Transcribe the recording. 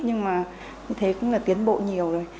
nhưng mà như thế cũng là tiến bộ nhiều rồi